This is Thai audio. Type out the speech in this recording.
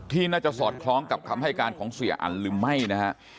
ที่น่าจะสอดคล้องกับคำให้การของเสียอันหรือไม่นะฮะ